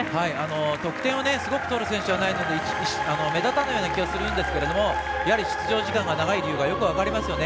得点をすごく取る選手ではないんですが目立たない気がするんですがやはり出場時間が長い理由がすごく分かりますよね。